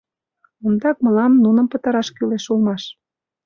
Ондак мылам нуным пытараш кӱлеш улмаш.